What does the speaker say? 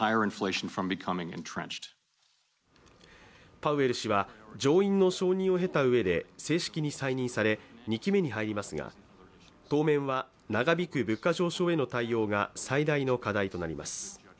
パウエル氏は、上院の承認を経た上で正式に再任され２期目に入りますが、当面は長引く物価上昇への対応が最大の課題となります。